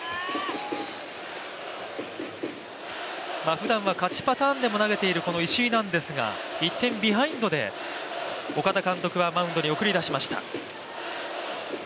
ふだんは勝ちパターンでも投げているこの石井なんですが１点ビハインドで岡田監督はマウンドに送り出しました。